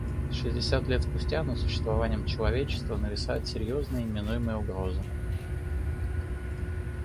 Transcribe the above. Шестьдесят лет спустя над существованием человечества нависает серьезная и неминуемая угроза.